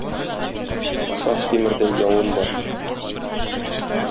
Шаһ Тимердәй явым бар.